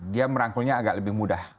dia merangkulnya agak lebih mudah